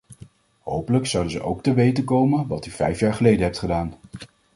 Hopelijk zouden ze ook te weten komen wat u vijf jaar geleden hebt gedaan.